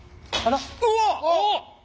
うわっ！